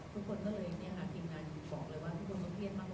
ทุกคนก็เลยหาทีมงานบอกเลยว่าทุกคนต้องเรียกมากกว่าผมเดียวซ้ำไป